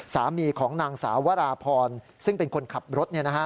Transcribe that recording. สามีของนางสาววราพรซึ่งเป็นคนขับรถ